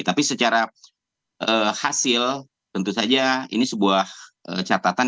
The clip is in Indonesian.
tapi secara hasil tentu saja ini sebuah catatan